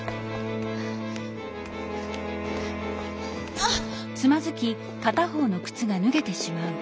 「あっ」。